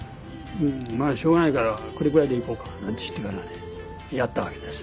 「まあしょうがないからこれくらいでいこうか」なんて言ってからねやったわけです。